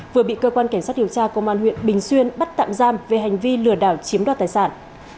vừa bị cơ quan cảnh sát điều tra công an huyện bình xuyên bắt tạm giam về hành vi lừa đảo chiếm đoạt tài sản